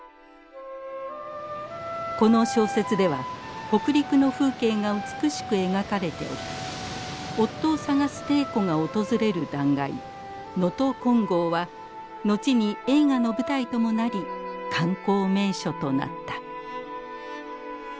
この小説では北陸の風景が美しく描かれており夫を捜す禎子が訪れる断崖「能登金剛」は後に映画の舞台ともなり観光名所となった。